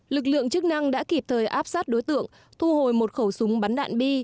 lực lượng chức năng đã kịp thời áp sát đối tượng thu hồi một khẩu súng bắn đạn bi